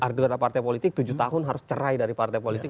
artinya partai politik tujuh tahun harus cerai dari partai politik